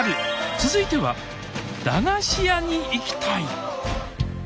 続いては「駄菓子屋に行きたい」